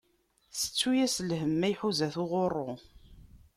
Settu-as lhem, ma iḥuza-t uɣuṛṛu.